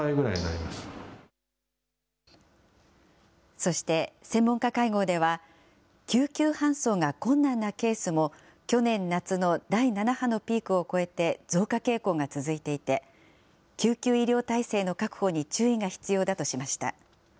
そして、専門家会合では、救急搬送が困難なケースも、去年夏の第７波のピークを超えて、増加傾向が続いていて、救急医療体制の確保に注意が必要だとしました。